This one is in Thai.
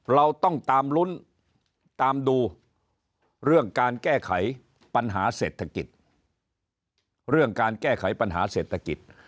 เราต้องตามลุ้นตามดูเรื่องการแก้ไขปัญหาเศรษฐกิจ